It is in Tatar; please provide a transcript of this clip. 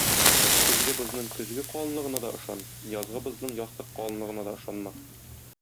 Көзге бозның көзге калынлыгына да ышан, язгы бозның ястык калынлыгына да ышанма.